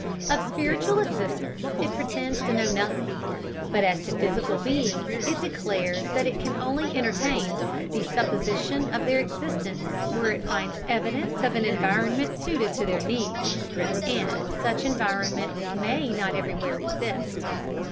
Of spiritual existences it pretends to know nothing, but as to physical beings, it declares that it can only entertain the supposition of their existence where it finds evidence of an environment suited to their needs, and such environment may not everywhere exist.